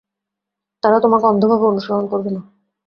তারা তোমাকে অন্ধভাবে অনুসরণ করবে না।